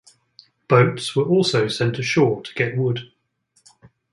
Boats were also sent ashore to get wood.